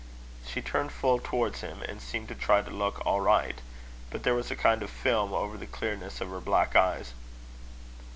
She turned full towards him, and seemed to try to look all right; but there was a kind of film over the clearness of her black eyes.